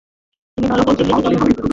তিনি ভারতের দিল্লিতে জন্মগ্রহণ করেন।